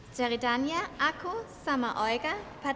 ceritanya aku sama olga pacaran